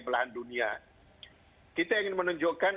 belahan dunia kita ingin menunjukkan